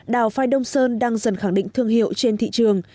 đào phai đông sơn đang dần khẳng định thương hiệu trên thị trường